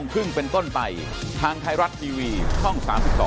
ครึ่งเป็นต้นไปทางไทยรัฐทีวีช่อง๓๒